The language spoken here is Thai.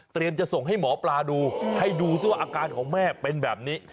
จะส่งให้หมอปลาดูให้ดูซิว่าอาการของแม่เป็นแบบนี้